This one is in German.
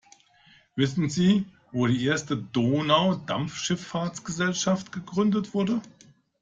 Wissen Sie, wo die erste Donaudampfschiffahrtsgesellschaft gegründet wurde?